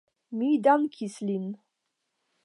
Mi dankis lin.